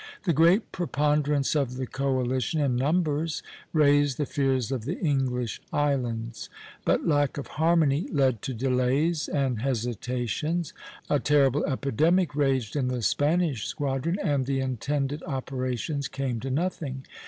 The great preponderance of the coalition, in numbers, raised the fears of the English islands; but lack of harmony led to delays and hesitations, a terrible epidemic raged in the Spanish squadron, and the intended operations came to nothing.